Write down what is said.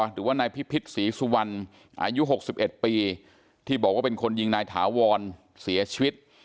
หรือว่านายพิพิษศรีสุวรรณอายุ๖๑ปีที่บอกว่าเป็นคนยิงนายถาวรเสียชีวิต